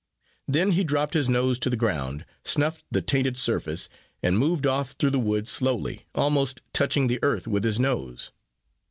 Then he dropped his nose to the ground, snuffed the tainted surface, and moved off through the wood slowly, almost touching the earth with his nose.